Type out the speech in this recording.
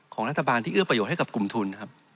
ของรัฐบาลที่เอื้อประโยชน์ให้กับกลุ่มทุนครับ